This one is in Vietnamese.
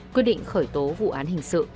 quyết định khởi tố vụ án hình sự